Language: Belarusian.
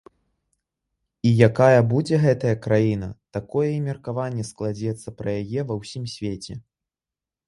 І якая будзе гэтая краіна, такое і меркаванне складзецца пра яе ва ўсім свеце.